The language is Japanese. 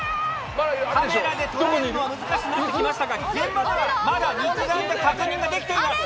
カメラで捉えるのは難しくなってきましたが現場ではまだ肉眼で確認ができています。